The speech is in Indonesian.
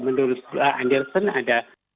menurut anderson ada